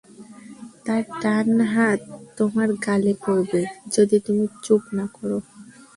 তার ডান হাত তোমার গালে পড়বে, যদি তুমি চুপ না করো।